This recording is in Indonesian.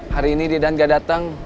hari ini dedan gak dateng